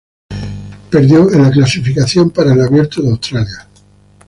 Perdió en la clasificación para el Abierto de Australia.